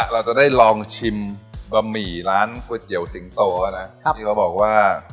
เราจะได้ลองชิมบะหมี่ร้านฟื้ดเยียวสิงโตไปนะ